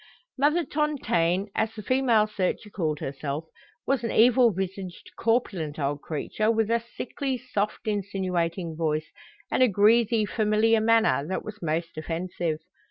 Mother Tontaine, as the female searcher called herself, was an evil visaged, corpulent old creature, with a sickly, soft, insinuating voice, and a greasy, familiar manner that was most offensive.